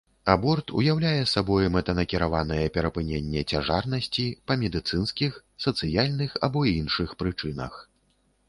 Аборт уяўляе сабой мэтанакіраванае перапыненне цяжарнасці па медыцынскіх, сацыяльных альбо іншых прычынах.